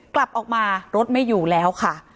กลับออกมารถไม่อยู่แล้วค่ะ